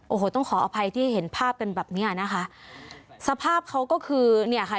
โอ้โหต้องขออภัยที่เห็นภาพกันแบบเนี้ยนะคะสภาพเขาก็คือเนี่ยค่ะ